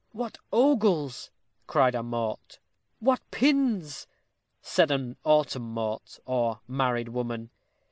"What ogles!" cried a mort. "What pins!" said an autem mort, or married woman.